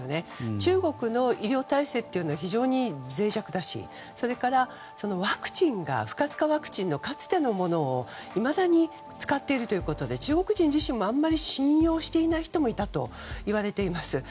中国の医療体制というのは非常に脆弱だしそれから、ワクチンが不活化ワクチンのかつてのものをいまだに使っているということで中国人自身もあまり信用していない人もいたといわれています。